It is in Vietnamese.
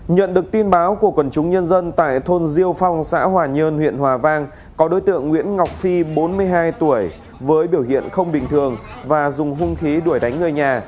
nhận được tin báo của quần chúng nhân dân tại thôn diêu phong xã hòa nhơn huyện hòa vang có đối tượng nguyễn ngọc phi bốn mươi hai tuổi với biểu hiện không bình thường và dùng hung khí đuổi đánh người nhà